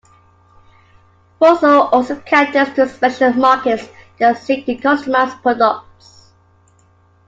Fossil also caters to special markets that seek to customize products.